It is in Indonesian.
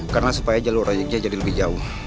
karena supaya jalur ojeknya jadi lebih jauh